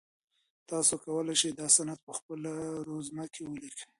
تاسو کولای سئ دا سند په خپله رزومه کي ولیکئ.